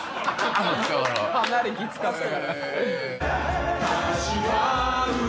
かなりきつかった。